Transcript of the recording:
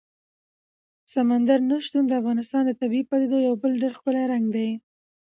سمندر نه شتون د افغانستان د طبیعي پدیدو یو بل ډېر ښکلی رنګ دی.